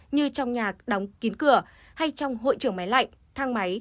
như trong nhà đóng kín cửa hay trong hội trường máy lạnh thang máy